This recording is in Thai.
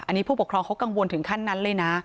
อันนี้ผู้ปกครองเขากังวลถึงขั้นนั้นเลยนะ